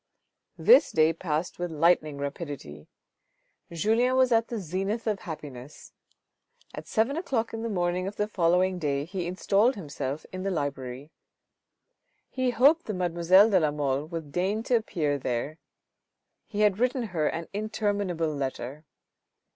This day passed with lightning rapidity. Julien was at the zenith of happiness. At seven o'clock in the morning of the following day he installed himself in the library. He hoped the mademoiselle de la Mole would deign to appear there; he had written her an interminable letter.